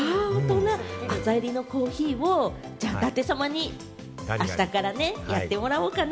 浅煎りのコーヒーを舘様にあしたからね、やってもらおうかな。